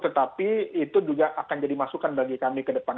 tetapi itu juga akan jadi masukan bagi kami ke depan